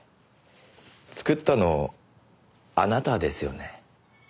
作ったのあなたですよね？